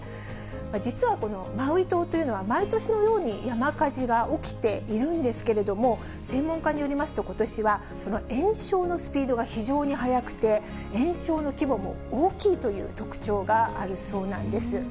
実はこのマウイ島というのは、毎年のように山火事が起きているんですけれども、専門家によりますと、ことしはその延焼のスピードが非常に速くて、延焼の規模も大きいという特徴があるそうなんです。